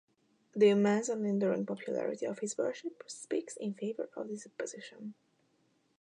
The immense and enduring popularity of his worship speaks in favor of the supposition.